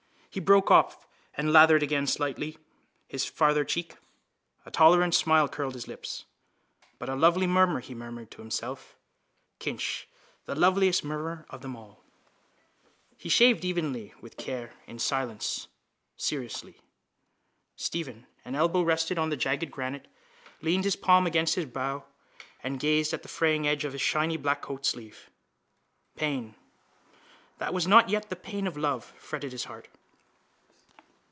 He broke off and lathered again lightly his farther cheek. A tolerant smile curled his lips. —But a lovely mummer! he murmured to himself. Kinch, the loveliest mummer of them all! He shaved evenly and with care, in silence, seriously. Stephen, an elbow rested on the jagged granite, leaned his palm against his brow and gazed at the fraying edge of his shiny black coat sleeve. Pain, that was not yet the pain of love, fretted his heart.